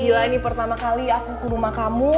gila ini pertama kali aku ke rumah kamu